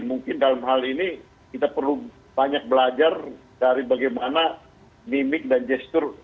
mungkin dalam hal ini kita perlu banyak belajar dari bagaimana gimmick dan gestur